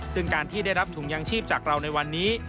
ซึ่งการที่ได้รับถุงยางชีพจากเราในวันนี้